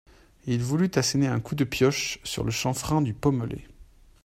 Il voulut asséner un coup de pioche sur le chanfrein du pommelé.